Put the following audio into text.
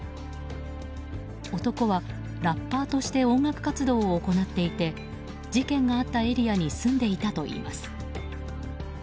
男はラッパーとして音楽活動を行っていて事件があったエリアに住んでいたといいます。